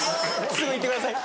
すぐいってください。